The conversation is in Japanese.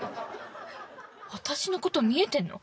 私のこと見えてんの？